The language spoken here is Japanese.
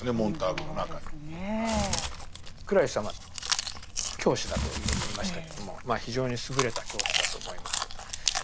クラリスはまあ教師だというふうに言いましたけども非常に優れた教師だと思います。